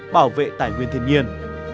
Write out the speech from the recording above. bảo vệ tài nguyên thiên nhiên